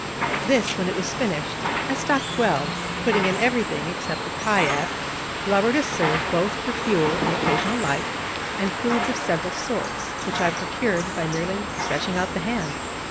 This, when it was finished, I stocked well, putting in everything, except the kayak, blubber to serve both for fuel and occasional light, and foods of several sorts, which I procured by merely stretching out the hand.